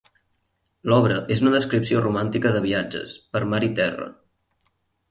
L'obra és una descripció romàntica de viatges, per mar i terra.